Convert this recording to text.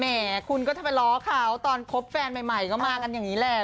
แหมคุณก็จะไปล้อเขาตอนคบแฟนใหม่ก็มากันอย่างนี้แหละ